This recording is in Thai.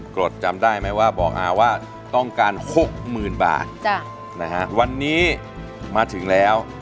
กรดจำได้ไหมว่าบอกอาว่าต้องการ๖๐๐๐บาทนะฮะวันนี้มาถึงแล้ว